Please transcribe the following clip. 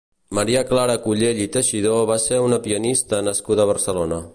Maria Clara Cullell i Teixidó va ser una pianista nascuda a Barcelona.